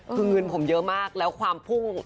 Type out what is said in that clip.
คือเงินผมเยอะมากแล้วความพุ่ง